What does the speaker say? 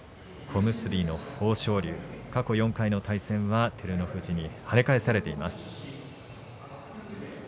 小結の豊昇龍はこれまでの対戦は照ノ富士に跳ね返されてます。